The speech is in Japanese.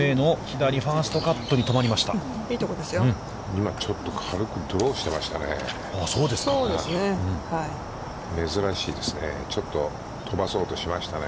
今ちょっと軽くドローしていましたよね。